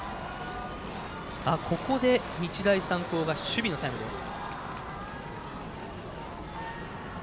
ここで日大三高が守備のタイムです。